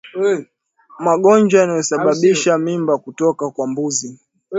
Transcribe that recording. Magonjwa yanayosababisha mimba kutoka kwa mbuzi